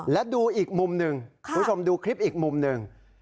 และดูอีกมุมหนึ่งคุณผู้ชมดูคลิปอีกมุมหนึ่ง